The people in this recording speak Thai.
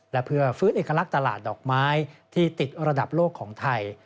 และเพื่อฟื้นเอกลักษณ์ตลาดดอกไม้ที่ติดระดับโลกของไทย